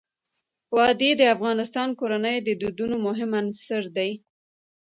وادي د افغان کورنیو د دودونو مهم عنصر دی.